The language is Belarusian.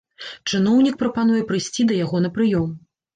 Чыноўнік прапануе прыйсці да яго на прыём.